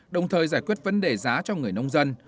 đồng thời giải quyết vấn đề giá cho người nông dân